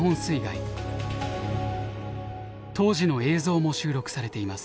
当時の映像も収録されています。